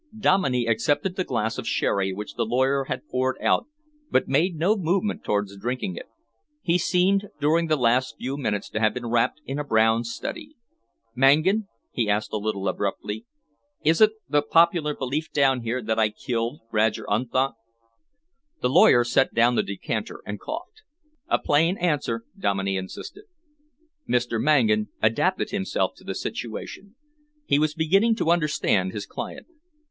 Dominey accepted the glass of sherry which the lawyer had poured out but made no movement towards drinking it. He seemed during the last few minutes to have been wrapped in a brown study. "Mangan," he asked a little abruptly, "is it the popular belief down here that I killed Roger Unthank?" The lawyer set down the decanter and coughed. "A plain answer," Dominey insisted. Mr. Mangan adapted himself to the situation. He was beginning to understand his client.